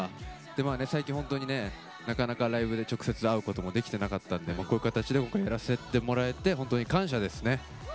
まあ最近本当にねなかなかライブで直接会うこともできてなかったんでこういう形で今回やらせてもらえて本当に感謝ですね。